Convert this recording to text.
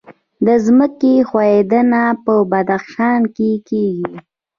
د ځمکې ښویدنه په بدخشان کې کیږي